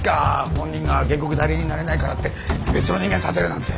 本人が原告代理人になれないからって別の人間立てるなんて。